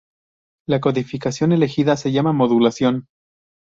La codificación elegida se llama modulación.